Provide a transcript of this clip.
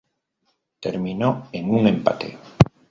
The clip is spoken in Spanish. Terminó en un empate.